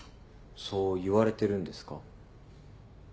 そう言われてるんですか？